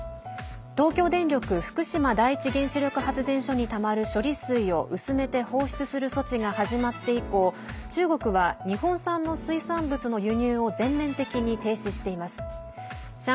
東京電力福島第一原子力発電所にたまる処理水を薄めて放出する措置が始まって以降中国は日本産の水産物の輸入を全面的に停止しています。